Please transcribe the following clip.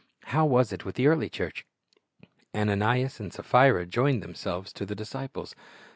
How A\'as it with the early church? Ananias and Sapphira joined themselves to the disciples.